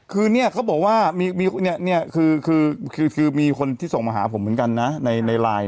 คือเนี่ยเขาบอกว่ามีคนที่ส่งมาหาผมเหมือนกันนะในไลน์เนี่ย